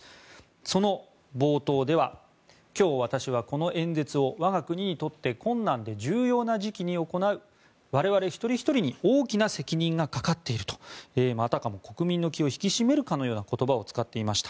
その冒頭では今日、私はこの演説を我が国にとって困難で重要な時期に行う我々一人ひとりに大きな責任がかかっているとあたかも国民の気を引き締めるかのような言葉を使いました。